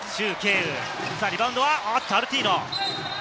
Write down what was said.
リバウンドはアルティーノ。